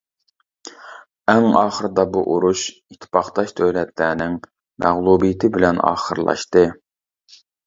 ئەڭ ئاخىردا بۇ ئۇرۇش ئىتتىپاقداش دۆلەتلەرنىڭ مەغلۇبىيىتى بىلەن ئاخىرلاشتى.